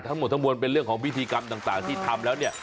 ทั้งหมดทั้งมวลเป็นเรื่องของพิธีกรรมต่างที่ทำแล้วเนี่ย